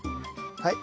はい。